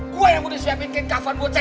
gue yang mau disiapin kek kafan buat cewek